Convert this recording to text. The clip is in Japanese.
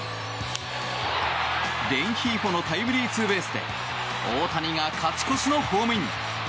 レンヒーフォのタイムリーツーベースで大谷が勝ち越しのホームイン。